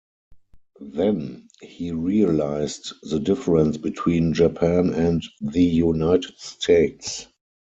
Then, he realized the difference between Japan and the United States.